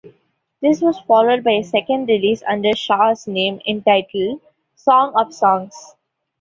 This was followed by a second release under Shaw's name, entitled "Song of Songs".